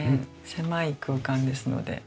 狭い空間ですので。